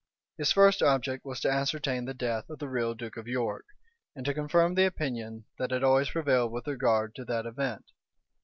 His first object was to ascertain the death of the real duke of York, and to confirm the opinion that had always prevailed with regard to that event.